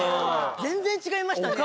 全然違いましたね。